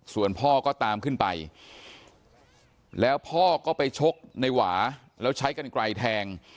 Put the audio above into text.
ส่วนพ่อก็ตามขึ้นไปแล้วพ่อก็ไปชกในหวาแล้วใช้กันไกลแทง